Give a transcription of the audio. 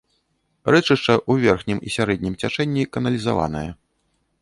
Рэчышча ў верхнім і сярэднім цячэнні каналізаванае.